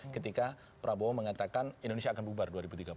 ketika prabowo mengatakan indonesia akan bubar dua ribu tiga puluh